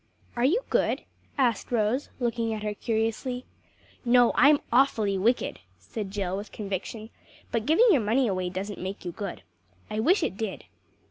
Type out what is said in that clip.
"Are you good?" asked Rose looking at her curiously. "No, I'm awfully wicked," said Jill with conviction, "but giving your money away doesn't make you good. I wish it did."